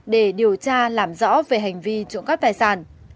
để điều tra làm rõ về hành vi trộm cắp tài sản